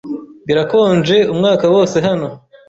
Birakonje umwaka wose hano.